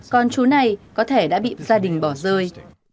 con chú này có thể đã bị gia đình bỏ rơi